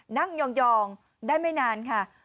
นั่งยองได้ไม่นานค่ะ